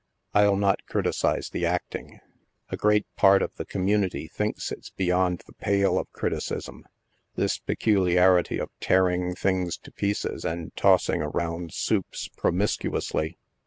I'll not criticise the acting — a great part of the community thinks it's beyond the pale of criticism — this peculiarity of tearing things to pieces, and tossing around " supes" promiscuously.